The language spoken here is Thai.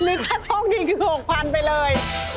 มีชัดโชคดีคือ๖๐๐๐บาทไปเลย